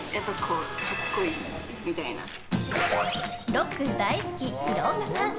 ロック大好き廣岡さん！